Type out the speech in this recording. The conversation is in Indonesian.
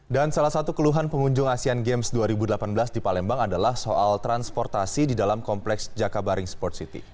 dan salah satu keluhan pengunjung asian games dua ribu delapan belas di palembang adalah soal transportasi di dalam kompleks jakabaring sport city